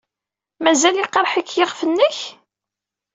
Mazal yeqreḥ-ik yiɣef-nnek?